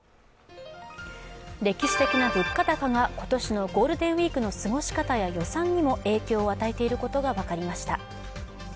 歴史的な物価高が今年のゴールデンウイークの過ごし方や予算にも影響を与えていることが分かりました。